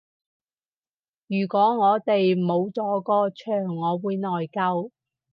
如果我哋冇咗個場我會內疚